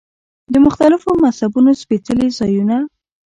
د مختلفو مذهبونو سپېڅلي ځایونه.